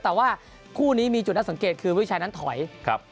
แต่ว่าคู่นี้มีจุดน่าสังเกตคือวิชัยนั้นถอยครับ